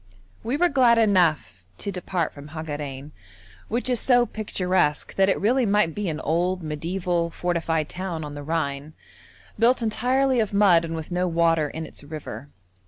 We were glad enough to depart from Hagarein, which is so picturesque that it really might be an old, mediæval, fortified town on the Rhine, built entirely of mud and with no water in its river.